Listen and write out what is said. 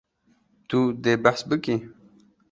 Tu dê behs bikî.